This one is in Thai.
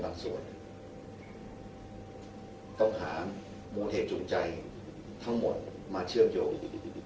ต้องหามูลเหตุจุงใจทั้งหมดมาเชื่อมโยค